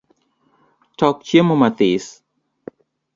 Tok chiemo matis